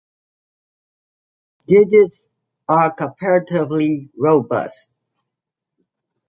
Digits are comparatively robust.